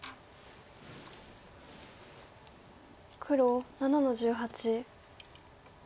黒７の十八。